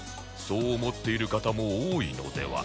そう思っている方も多いのでは？